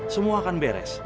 semua akan beres